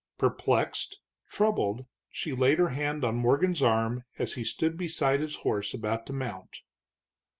Perplexed, troubled, she laid her hand on Morgan's arm as he stood beside his horse about to mount.